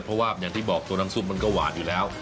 เพราะว่าอย่างที่บอกตัวน้ำซุปมันก็หวานอยู่แล้ว